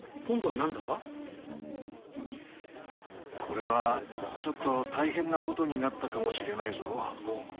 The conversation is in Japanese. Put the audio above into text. これはちょっと大変なことになったかもしれないぞ。